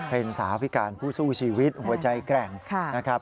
เป็นสาวพิการผู้สู้ชีวิตหัวใจแกร่งนะครับ